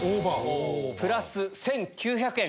プラス１９００円！